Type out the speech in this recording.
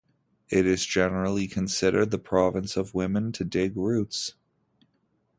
It is generally considered the province of women to dig roots.